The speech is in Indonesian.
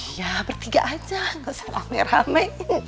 ya bertiga aja gak usah rame rame